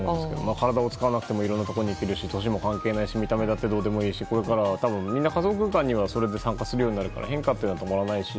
体を使わなくてもいろんなところに行けるし年も関係ないし見た目だってどうだっていいし仮想空間にそれで参加するようになって変化というのは止まらないし